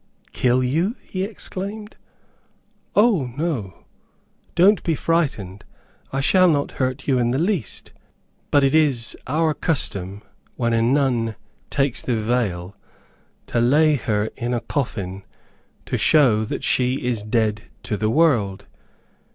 "Kill you!" he exclaimed, "O no; don't be frightened; I shall not hurt you in the least. But it is our custom, when a nun takes the veil, to lay her in a coffin to show that she is dead to the world.